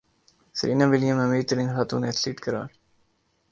Serena Williams امیر ترین خاتون ایتھلیٹ قرار